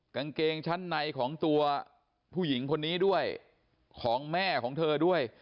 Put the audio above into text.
กังเกงชั้นในของคู่ส่วนผู้หญิงของแม่ของเธอด้วย